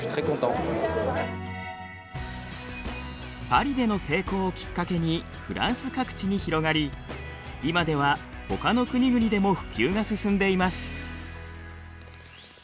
パリでの成功をきっかけにフランス各地に広がり今ではほかの国々でも普及が進んでいます。